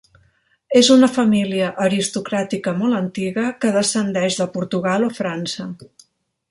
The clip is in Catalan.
És una família aristocràtica molt antiga que descendeix de Portugal o França.